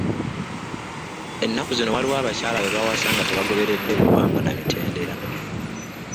Ennaku zino waliwo abakyala be bawasa nga tebagoberedde buwangwa na mitendera.